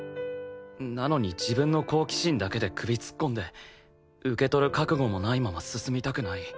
なのに自分の好奇心だけで首突っ込んで受け取る覚悟もないまま進みたくない。